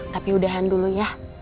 tapi udahan dulu ya